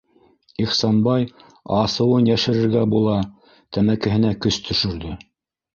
- Ихсанбай, асыуын йәшерергә була, тәмәкеһенә көс төшөрҙө...